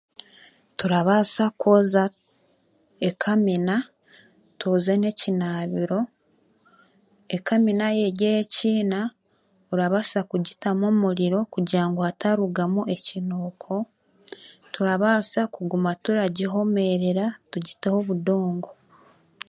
Turabaasa kwoza ekamina twoze n'ekinaabiro, ekamina y'eri eyekiina orabaasa kugiteekamu omuriro kugira haatarugamu ekinuuko turabaasa kuguma turagihomerera tugiteho obudongo